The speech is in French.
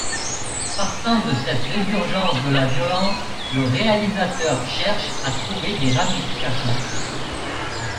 Partant de cette résurgence de la violence, le réalisateur cherche à trouver des ramifications.